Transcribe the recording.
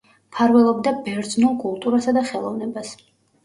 მფარველობდა ბერძნულ კულტურასა და ხელოვნებას.